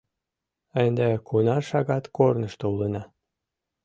Ынде кунар шагат корнышто улына.